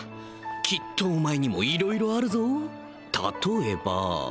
きっとお前にも色々あるぞ例えば